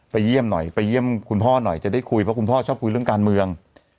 เยี่ยมหน่อยไปเยี่ยมคุณพ่อหน่อยจะได้คุยเพราะคุณพ่อชอบคุยเรื่องการเมือง